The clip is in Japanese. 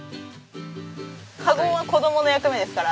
かごは子供の役目ですから。